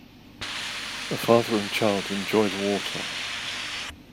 A father and child enjoy the water.